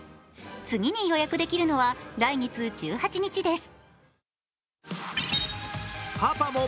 次に予約できるのは来月１８日です。